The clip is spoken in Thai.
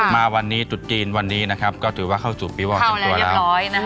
มาวันนี้ตุดจีนวันนี้นะครับก็ถือว่าเข้าสู่ปีวอลเต็มตัวแล้ว